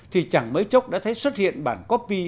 thì chẳng mấy chốc đã thấy xuất hiện bản copy